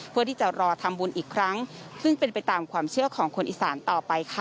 เพื่อที่จะรอทำบุญอีกครั้งซึ่งเป็นไปตามความเชื่อของคนอีสานต่อไปค่ะ